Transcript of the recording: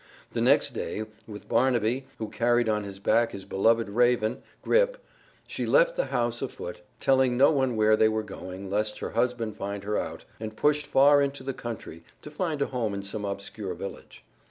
The next day, with Barnaby, who carried on his back his beloved raven, Grip, she left the house afoot, telling no one where they were going lest her husband find her out, and pushed far into the country to find a home in some obscure village.